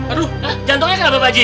aduh jantungnya kenapa pak haji